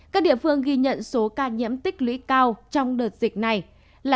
các địa phương ghi nhận số ca nhiễm tích lũy cao trong đợt dịch này là